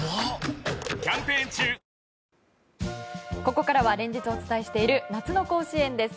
ここからは連日お伝えしている夏の甲子園です。